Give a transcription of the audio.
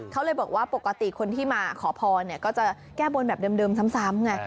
เขาเลยบอกว่าปกติคนที่มาขอพรก็จะแก้บนแบบเดิมซ้ำไง